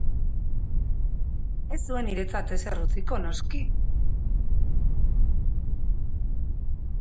Ez zuen niretzat ezer utziko, noski?